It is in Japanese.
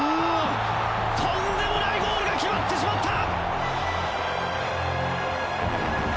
とんでもないゴールが決まってしまった！